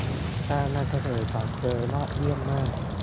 การนำเสนอของเธอยอดเยี่ยมมาก